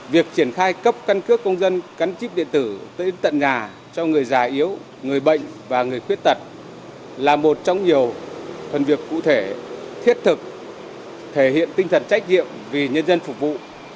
việc triển khai cấp căn cước công dân cắn chip điện tử tới tận nhà cho người già yếu người bệnh và người khuyết tật là một trong nhiều phần việc cụ thể thiết thực thể hiện tinh thần trách nhiệm vì nhân dân phục vụ